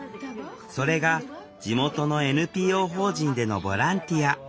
それが地元のＮＰＯ法人でのボランティア。